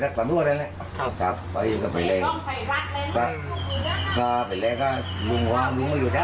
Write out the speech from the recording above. ครับเปรียวไม่มีแสงไฟตรงนั้นมันเป็นโครงกันเป็นทางโครงกัน